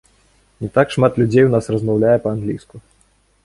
Не так шмат людзей у нас размаўляе па-англійску.